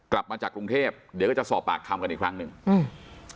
กลับมาจากกรุงเทพเดี๋ยวก็จะสอบปากคำกันอีกครั้งหนึ่งอืม